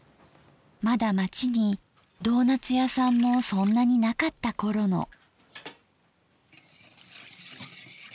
まだ町にドーナッツ屋さんもそんなになかった頃の。